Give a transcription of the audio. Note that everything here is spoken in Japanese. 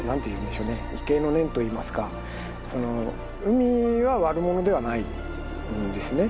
畏敬の念といいますか海は悪者ではないんですね。